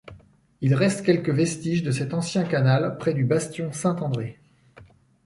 Il reste quelques vestiges de cet ancien canal près du bastion Saint-André.